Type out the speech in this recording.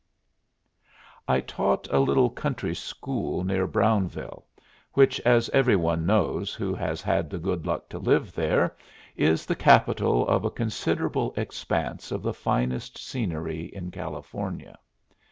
I taught a little country school near Brownville, which, as every one knows who has had the good luck to live there, is the capital of a considerable expanse of the finest scenery in California.